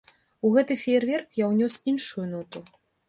У гэты феерверк я ўнёс іншую ноту.